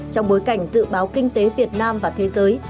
trong bối cảnh dự báo kinh tế việt nam và thế giới